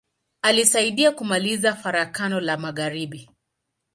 Alisaidia kumaliza Farakano la magharibi.